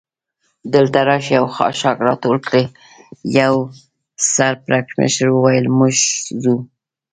دلته راشئ او خاشاک را ټول کړئ، یوه سر پړکمشر وویل: موږ ځو.